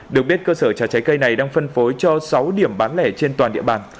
được biết cơ sở trà trái cây này đang phân phối cho sáu điểm bán lẻ trên toàn địa bàn